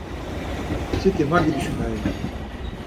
Siti ma giduşunai!